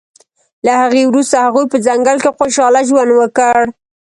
له هغې وروسته هغوی په ځنګل کې خوشحاله ژوند وکړ